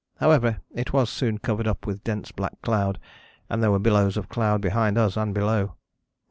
However it was soon covered up with dense black cloud, and there were billows of cloud behind us and below.